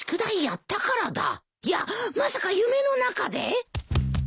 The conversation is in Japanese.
いやまさか夢の中で！？